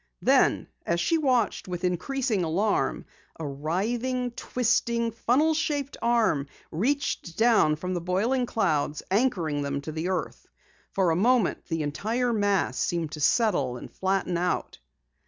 Then, as she watched with increasing alarm, a writhing, twisting, funnel shaped arm reached down from the boiling clouds, anchoring them to earth. For a moment the entire mass seemed to settle and flatten out.